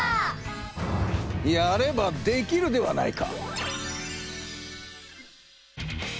やればできるではないか！